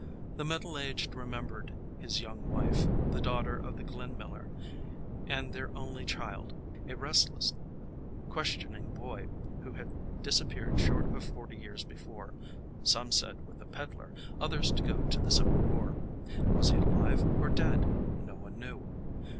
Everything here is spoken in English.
The middle aged remembered his young wife, the daughter of the glen miller, and their only child, a restless, questioning boy who had disappeared short of forty years before, some said with a peddler, others to go to the civil war. Was he alive or dead? No one knew.